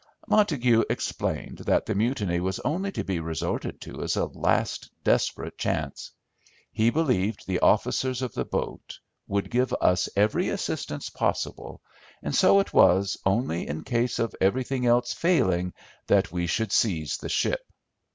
Montague explained that the mutiny was only to be resorted to as a last desperate chance. He believed the officers of the boat would give us every assistance possible, and so it was only in case of everything else failing that we should seize the ship.